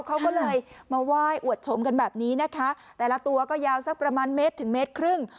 เขาก็เลยมาไหว้อวดชมกันแบบนี้นะคะแต่ละตัวก็ยาวสักประมาณเมตรถึงเมตรครึ่ง